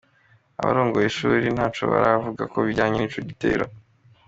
Abarongoye ishuli ntaco baravuga ku bijanye n'ico gitero.